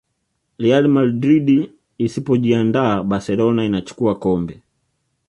real madrid isipojiandaa barcelona inachukua kombe